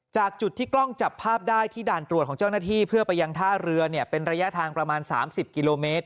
จากจุดที่กล้องจับภาพได้ที่ด่านตรวจของเจ้าหน้าที่เพื่อไปยังท่าเรือเป็นระยะทางประมาณ๓๐กิโลเมตร